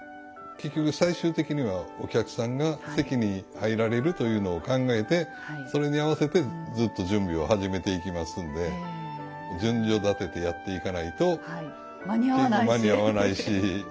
結局最終的にはお客さんが席に入られるというのを考えてそれに合わせてずっと準備を始めていきますんで順序立ててやっていかないと間に合わないし。